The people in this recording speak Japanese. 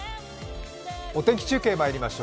お天気中継まいりましょう。